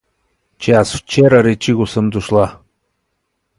— Че аз вчера, речи го, съм дошла.